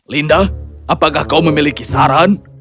linda apakah kau memiliki saran